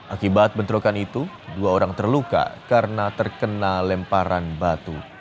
akibat bentrokan itu dua orang terluka karena terkena lemparan batu